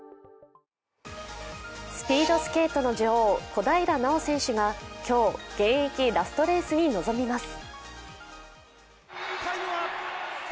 スピードスケートの女王小平奈緒選手が今日、現役ラストレースに臨みます。